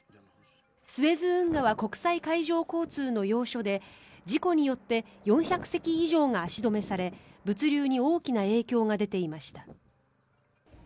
スエズ運河は国際海上交通の要所で事故によって４００隻以上が足止めされ物流に大きな影響が出ていました。